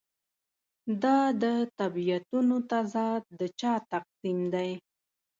دا د طبیعتونو تضاد د چا تقسیم دی.